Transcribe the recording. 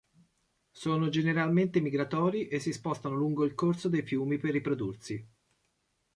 Sono generalmente migratori e si spostano lungo il corso dei fiumi per riprodursi.